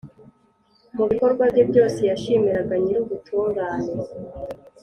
Mu bikorwa bye byose, yashimiraga Nyir’ubutungane,